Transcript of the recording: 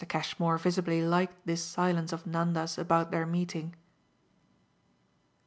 Cashmore visibly liked this silence of Nanda's about their meeting.